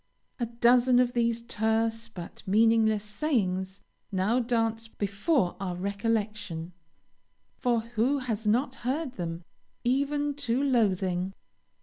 A dozen of these terse but meaningless sayings now dance before our recollection, for who has not heard them, even to loathing?